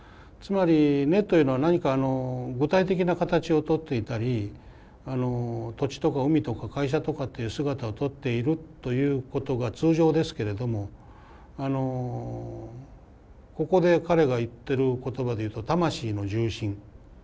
つまり根というのは何か具体的な形をとっていたり土地とか海とか会社とかっていう姿をとっているということが通常ですけれどもあのここで彼が言ってる言葉で言うと「魂の重心」。